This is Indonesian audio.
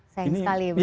sayang sekali begitu ya